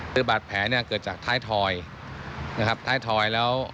คือบาดแผลเนี่ยเกิดจากท้ายทอย